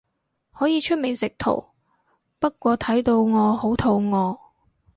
可以出美食圖，不過睇到我好肚餓